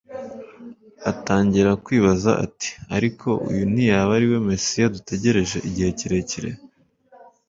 atangira kwibaza ati: "Ariko uyu ntiyaba ariwe Mesiya dutegereje igihe kirekire?